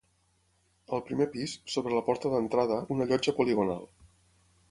Al primer pis, sobre la porta d'entrada, una llotja poligonal.